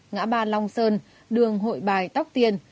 ngã ba long sơn đường hội bài tóc tiền